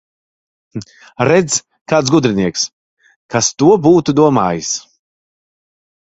Redz, kāds gudrinieks! Kas to būtu domājis!